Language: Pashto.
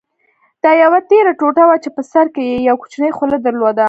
دا یوه تېره ټوټه وه چې په سر کې یې یو کوچنی خولۍ درلوده.